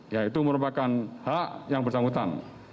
yaitu merupakan hak yang bersangkutan